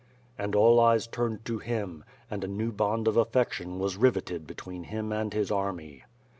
And all eyes turned to him, and a new bond of affection was riveted between him and his army.